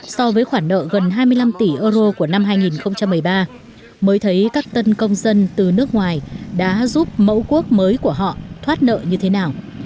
so với khoản nợ gần hai mươi năm tỷ euro của năm hai nghìn một mươi ba mới thấy các tân công dân từ nước ngoài đã giúp mẫu quốc mới của họ thoát nợ như thế nào